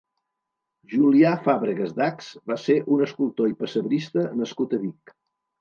Julià Fàbregas Dachs va ser un escultor i pessebrista nascut a Vic.